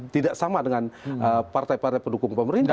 tidak sama dengan partai partai pendukung pemerintah